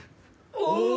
お！